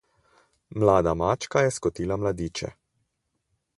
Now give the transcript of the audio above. Mlada mačka je skotila mladiče.